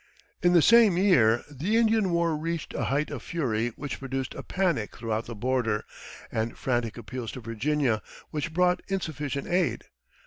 In the same year the Indian war reached a height of fury which produced a panic throughout the border, and frantic appeals to Virginia, which brought insufficient aid.